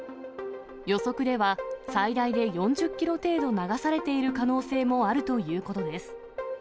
予測では、最大で４０キロ程度流されている可能性もあるということです。